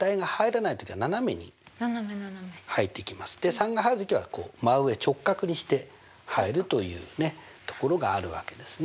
３が入る時はこう真上直角にして入るというところがあるわけですね。